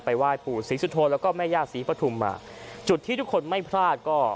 ไหว้ปู่ศรีสุโธนแล้วก็แม่ย่าศรีปฐุมมาจุดที่ทุกคนไม่พลาดก็